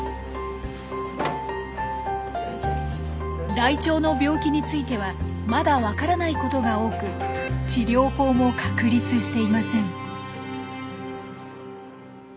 ライチョウの病気についてはまだ分からないことが多く治療法も確立していません。